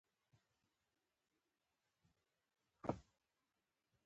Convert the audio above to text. احمدشاه بابا به د نړیوالو اړیکو ښه والی هم سنجاوو.